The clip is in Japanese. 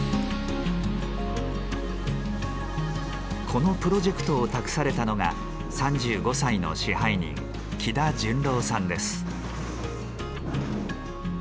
このプロジェクトを託されたのが３５歳の支配人喜田惇郎さんです。